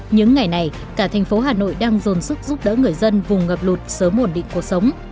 những ngày này cả thành phố hà nội đang dồn sức giúp đỡ người dân vùng ngập lụt sớm ổn định cuộc sống